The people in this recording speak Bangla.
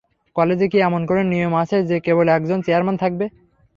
কলেজে কি এমন কোনো নিয়ম আছে যে কেবল একজন চেয়ারম্যান থাকবে?